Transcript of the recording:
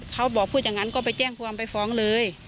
เขาบอกพูดอย่างนั้นก็ไปแจ้งความไปฟ้องเลย